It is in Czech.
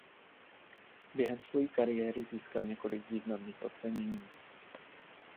Během svojí kariéry získal několik významných ocenění.